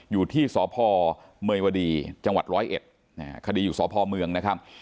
อยู่ที่สพเมยวดีจังหวัดร้อยเอ็ดคดีอยู่สพเมืองนะครับ